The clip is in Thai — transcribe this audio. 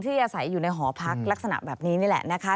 อาศัยอยู่ในหอพักลักษณะแบบนี้นี่แหละนะคะ